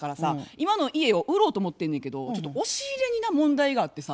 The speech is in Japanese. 今の家を売ろうと思ってんねんけどちょっと押し入れにな問題があってさ。